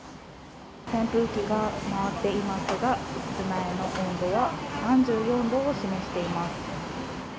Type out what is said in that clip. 扇風機が回っていますが、室内の温度は３４度を示しています。